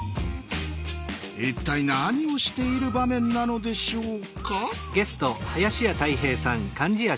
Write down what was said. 一体何をしている場面なのでしょうか？